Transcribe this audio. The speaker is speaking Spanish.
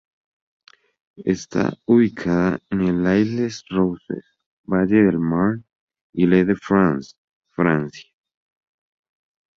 Está ubicada en en L'Haÿ-les-Roses, Valle del Marne, Île-de-France, Francia.